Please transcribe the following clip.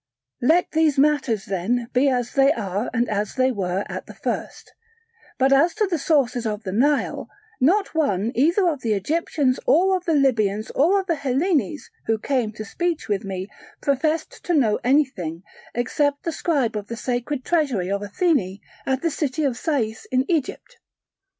Let these matters then be as they are and as they were at the first: but as to the sources of the Nile, not one either of the Egyptians or of the Libyans or of the Hellenes, who came to speech with me, professed to know anything, except the scribe of the sacred treasury of Athene at the city of Sais in Egypt.